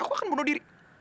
aku akan bunuh diri